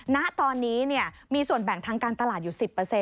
ณตอนนี้มีส่วนแบ่งทางการตลาดอยู่๑๐